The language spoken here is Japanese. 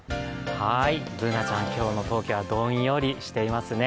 Ｂｏｏｎａちゃん、今日の東京はどんよりしていますね。